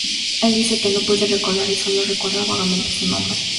Él dice que no puede recordar y sólo recuerda vagamente su nombre.